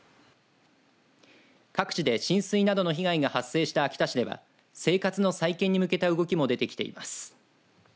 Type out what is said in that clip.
各地で浸水などの被害が発生した秋田市では生活の再建に向けた動きも出てきています。